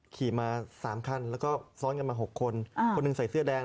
ขี่มา๓คันแล้วก็ซ้อนกันมา๖คนคนหนึ่งใส่เสื้อแดง